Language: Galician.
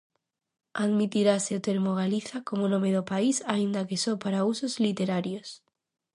Admitirase o termo "Galiza" como nome do país, aínda que só para usos literarios.